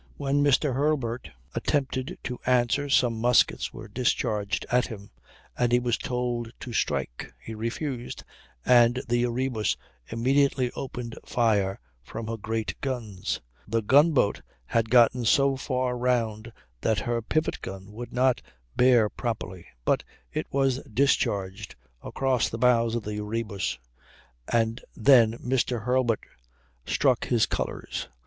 When Mr. Hurlburt attempted to answer some muskets were discharged at him, and he was told to strike. He refused, and the Erebus immediately opened fire from her great guns; the gunboat had gotten so far round that her pivot gun would not bear properly, but it was discharged across the bows of the Erebus, and then Mr. Hurlburt struck his colors.